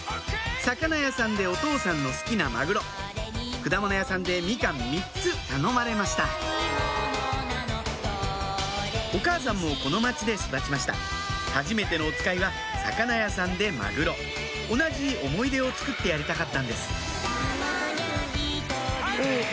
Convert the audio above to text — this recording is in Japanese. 魚屋さんでお父さんの好きなマグロ果物屋さんでみかん３つ頼まれましたお母さんもこの町で育ちましたはじめてのおつかいは魚屋さんでマグロ同じ思い出をつくってやりたかったんです